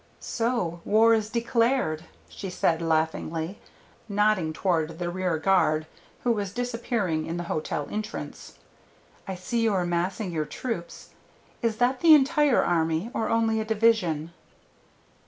"So war is declared," she said laughingly, nodding toward the rear guard who were disappearing in the hotel entrance. "I see you are massing your troops. Is that the entire army, or only a division?"